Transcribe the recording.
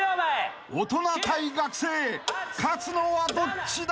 ［大人対学生勝つのはどっちだ？］